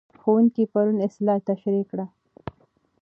ښوونکی پرون اصلاح تشریح کړه.